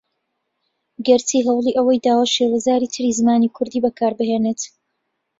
گەر چی ھەوڵی ئەوەی داوە شێوەزاری تری زمانی کوردی بەکاربھێنێت